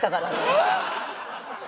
えっ！